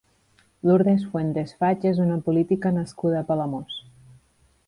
Lourdes Fuentes Faig és una política nascuda a Palamós.